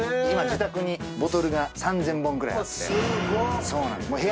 今自宅にボトルが３，０００本ぐらいあって。